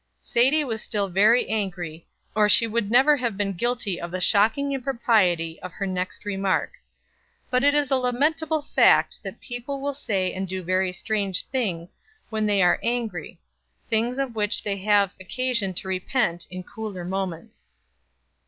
Sadie was still very angry, or she would never have been guilty of the shocking impropriety of her next remark. But it is a lamentable fact that people will say and do very strange things when they are angry things of which they have occasion to repent in cooler moments.